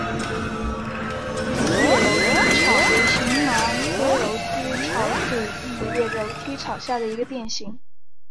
羽裂楼梯草为荨麻科楼梯草属异叶楼梯草下的一个变型。